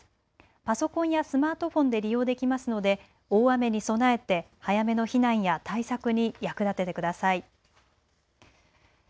パソコンやスマートフォンで利用できますので大雨に備えて早めの避難や対策に役立ててください。